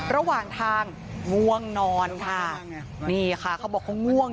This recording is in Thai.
ระหว่างทางง่วงนอนค่ะนี่ค่ะเขาบอกเขาง่วง